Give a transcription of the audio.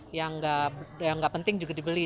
yang nggak penting juga dibeli